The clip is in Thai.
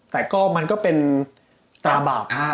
แต่ก็มันก็เป็นตราบาป